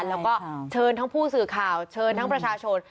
แล้วก็เชิญทั้งผู้สื่อข่าวเชิญทั้งประชาชน